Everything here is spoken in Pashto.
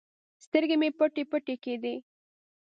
سترګې مې پټې پټې کېدې.